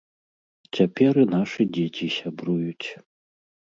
Цяпер і нашы дзеці сябруюць.